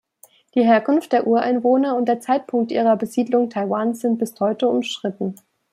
Die Herkunft der Ureinwohner und der Zeitpunkt ihrer Besiedlung Taiwans sind bis heute umstritten.